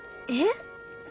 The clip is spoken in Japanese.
えっ？